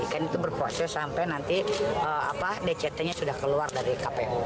kan itu berproses sampai nanti dct nya sudah keluar dari kpu